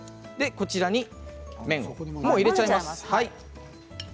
こちらに麺を入れちゃいます。